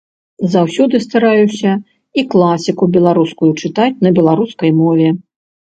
Заўсёды стараюся і класіку беларускую чытаць на беларускай мове.